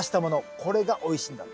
これがおいしいんだって。